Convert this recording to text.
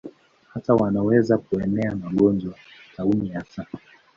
Hata wanaweza kuenea magonjwa, tauni hasa.